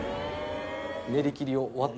練り切りを割る？